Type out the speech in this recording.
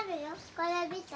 これ見て。